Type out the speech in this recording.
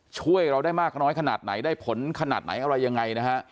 ช่วยเราได้มากน้อยขนาดไหนได้ผลขนาดไหนอะไรยังไงนะฮะ